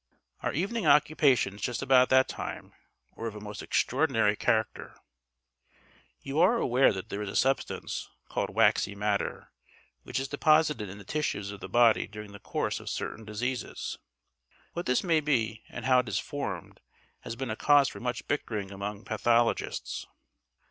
Our evening occupations just about that time were of a most extraordinary character. You are aware that there is a substance, called waxy matter, which is deposited in the tissues of the body during the course of certain diseases. What this may be and how it is formed has been a cause for much bickering among pathologists.